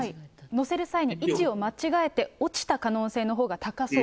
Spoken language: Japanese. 載せる際に位置を間違えて落ちた可能性のほうが高そうと。